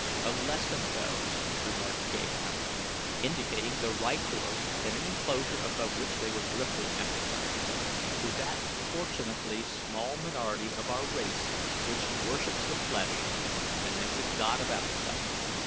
"A lesson, those," remarked Gahan, indicating the rykors in an enclosure above which they were drifting at the time, "to that fortunately small minority of our race which worships the flesh and makes a god of appetite.